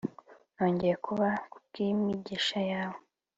nongeye kuba, kubwimigisha yawe